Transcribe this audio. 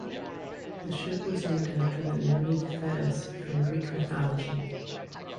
The ship was named after the Nereid Thetis from Greek mythology.